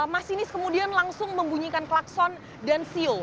mas sinis kemudian langsung membunyikan klakson dan sio